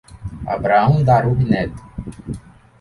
Abrahao Darub Neto